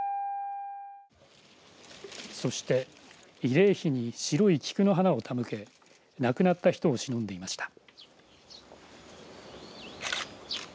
そして慰霊碑に白い菊の花を手向け亡くなった人をしのんでいました。